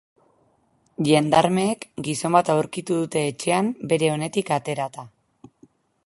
Jendarmeek gizon bat aurkitu dute etxean, bere onetik aterata.